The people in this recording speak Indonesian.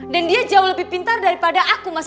dia jauh lebih pintar daripada aku mas